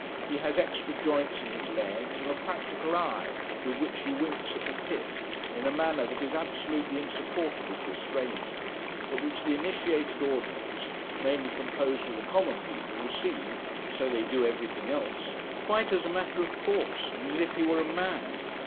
He has extra joints in his legs: and a practical eye, with which he winks at the pit, in a manner that is absolutely insupportable to a stranger, but which the initiated audience, mainly composed of the common people, receive (so they do everything else) quite as a matter of course, and as if he were a man.